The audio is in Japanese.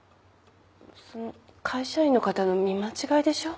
その会社員の方の見間違いでしょ。